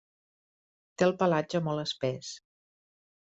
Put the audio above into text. Té el pelatge molt espès.